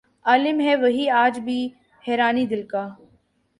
عالم ہے وہی آج بھی حیرانئ دل کا